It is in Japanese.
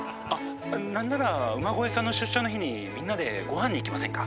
「何なら馬越さんの出社の日にみんなでごはんに行きませんか？」。